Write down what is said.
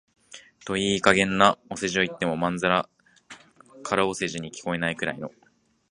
といい加減なお世辞を言っても、まんざら空お世辞に聞こえないくらいの、